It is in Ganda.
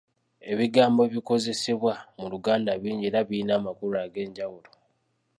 Ebigambo ebikozesebwa mu Lugnda bingi era birina amakulu ag'enjawulo.